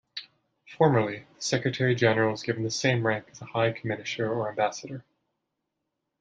Formally, the Secretary-General is given the same rank as a High Commissioner or ambassador.